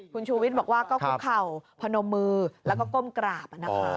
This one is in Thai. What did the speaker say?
คุณชูวิชบอกว่าก็คุกเข่าพอนมือกล้มกราบ